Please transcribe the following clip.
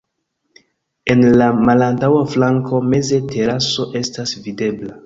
En la malantaŭa flanko meze teraso estas videbla.